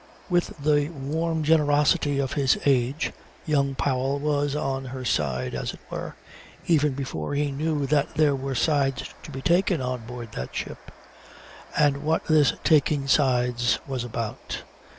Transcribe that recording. With the warm generosity of his age young Powell was on her side, as it were, even before he knew that there were sides to be taken on board that ship, and what this taking sides was about.